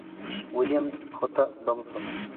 William J. Dobson.